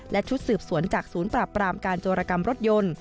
และชุดสืบสวนจากศูนย์ปราบปรามการโจรกรรมรถยนต์